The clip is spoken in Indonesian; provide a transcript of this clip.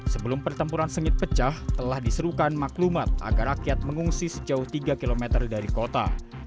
sebelum pertempuran sengit pecah telah diserukan maklumat agar rakyat mengungsi sejauh tiga km dari kota